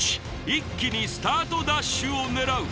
一気にスタートダッシュを狙う